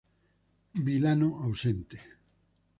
Vilano ausente.